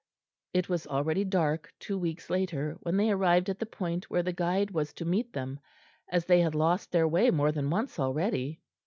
It was already dark, two weeks later, when they arrived at the point where the guide was to meet them, as they had lost their way more than once already.